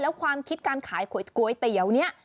แล้วความคิดการขายก๋วยเตี๋ยวเนี่ย